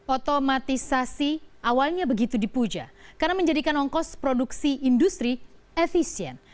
otomatisasi awalnya begitu dipuja karena menjadikan ongkos produksi industri efisien